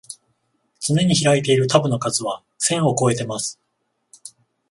つねに開いているタブの数は千をこえてます